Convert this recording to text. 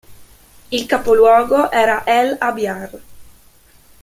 Il capoluogo era el-Abiar.